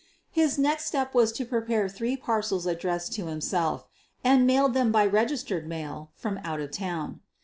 His next step was to prepare three parcels ad dressed to himself, and mailed them by registered mail from out of town.